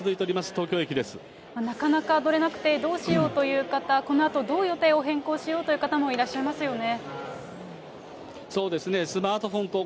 東なかなか乗れなくて、どうしようという方、このあと、どう予定を変更しようという方もいらっしゃいますよね。